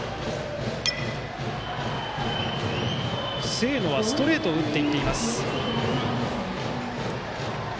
清野はストレートを打っていっています。